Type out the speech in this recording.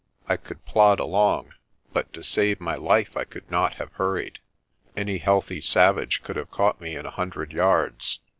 I could plod along, but to save my life I could not have hurried. Any healthy savage could have caught me in a hundred yards.